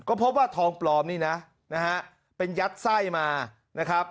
ก็พบว่าทองปลอมนี่นะนะฮะเป็นยัดไส้มานะครับ